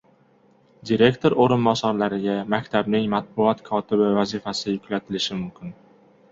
Direktor oʻrinbosarlariga maktabning matbuot kotibi vazifasi yuklatilishi mumkin.